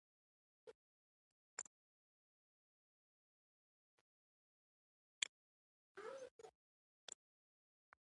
زۀ پنځه ماشومان لرم